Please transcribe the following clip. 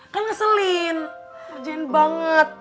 kan ngeselin kerjain banget